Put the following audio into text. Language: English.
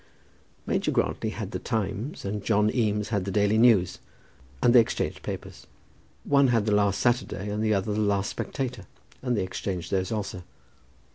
Major Grantly had The Times, and John Eames had the Daily News, and they exchanged papers. One had the last Saturday, and the other the last Spectator, and they exchanged those also.